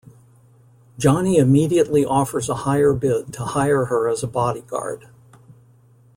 Johnny immediately offers a higher bid to hire her as a bodyguard.